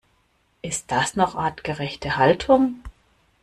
Ist das noch artgerechte Haltung?